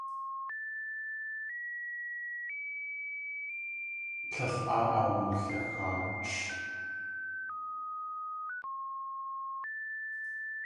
Tlél áa awulxaach.